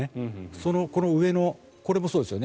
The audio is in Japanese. その上のこれもそうですよね。